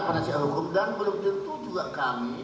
penasihat hukum dan belum tentu juga kami